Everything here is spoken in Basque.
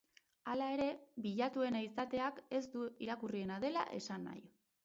Hala ere, bilatuena izateak ez du irakurriena dela esan nahi.